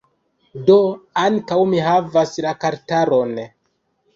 Do, ankaŭ mi havas la kartaron